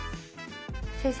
先生。